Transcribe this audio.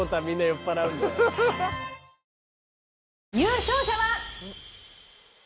優勝者は。